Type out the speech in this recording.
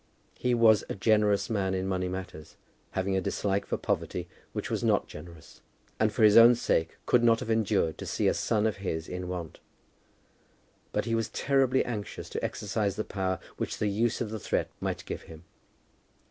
He was a generous man in money matters, having a dislike for poverty which was not generous, and for his own sake could not have endured to see a son of his in want. But he was terribly anxious to exercise the power which the use of the threat might give him.